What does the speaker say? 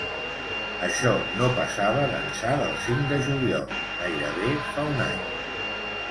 Això no passava d’ençà del cinc de juliol, gairebé fa un any.